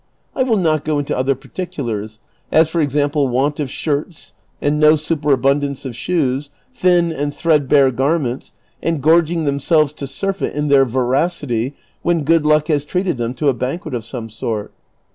I will not go into other particulars, as for example want of shirts, and no superabundance of shoes, thin and threadbare garments, and gorging themselves to surfeit in their voracity when good luck has treated them to a banquet of some sort.